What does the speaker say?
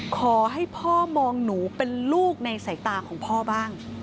ขอให้พ่อมองหนูเป็นลูกในสายตาของพ่อบ้าง